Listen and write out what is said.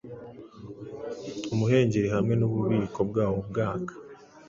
Umuhengeri hamwe nububiko bwawo bwaka,